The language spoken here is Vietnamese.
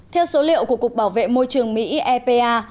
theo số liệu của cục bảo vệ môi trường mỹ epa